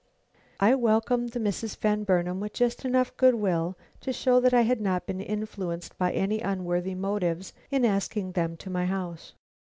I welcomed the Misses Van Burnam with just enough good will to show that I had not been influenced by any unworthy motives in asking them to my house.